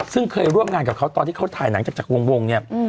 ซึ่งเคยร่วมงานกับเขาตอนที่เขาถ่ายหนังจากวงเนี่ย